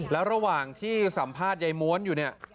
แล้วระหว่างที่สัมภาษณ์ยายม้วนอยู่เนี่ย